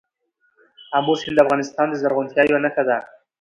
آمو سیند د افغانستان د زرغونتیا یوه نښه ده.